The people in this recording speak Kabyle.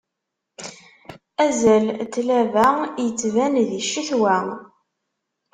Azal n tlaba ittban di ccetwa.